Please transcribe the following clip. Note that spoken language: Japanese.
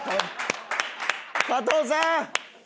加藤さん！